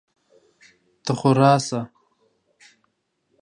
ته خو راسه!